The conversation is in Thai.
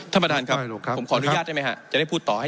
ท่านประธานครับผมขออนุญาตได้ไหมฮะ